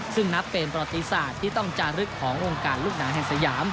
ซึ่งนับเป็นประวัติศาสตร์ที่ต้องจารึกของวงการลูกหนังแห่งสยาม